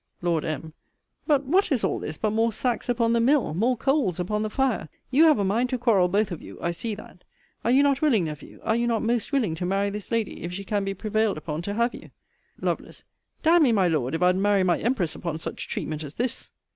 Lord M. But what is all this, but more sacks upon the mill? more coals upon the fire? You have a mind to quarrel both of you, I see that. Are you not willing, Nephew, are you not most willing, to marry this lady, if she can be prevailed upon to have you? Lovel. D n me, my Lord, if I'd marry my empress upon such treatment as this.